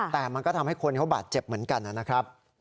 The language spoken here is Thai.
แต่มันก็ทำให้คนเขาบาดเจ็บเหมือนกันนะครับ